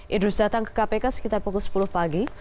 idrus datang ke kpk sekitar pukul sepuluh pagi